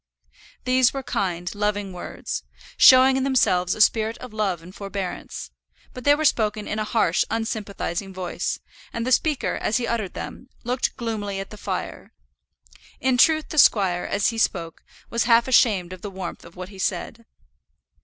These were kind, loving words, showing in themselves a spirit of love and forbearance; but they were spoken in a harsh, unsympathizing voice, and the speaker, as he uttered them, looked gloomily at the fire. In truth the squire, as he spoke, was half ashamed of the warmth of what he said.